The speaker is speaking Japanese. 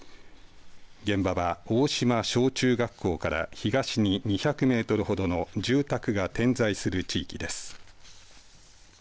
現場は大島小中学校から東に２００メートルほどの住宅が点在する地域です。